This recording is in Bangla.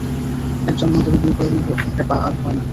এক জন্মান্তরে বিয়ে করার মতো হ্যাপা আর হয় না।